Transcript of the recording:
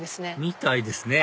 みたいですね